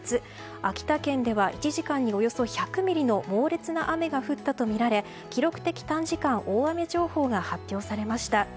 秋田県では１時間におよそ１００ミリの猛烈な雨が降ったとみられ記録的短時間大雨情報が発表されました。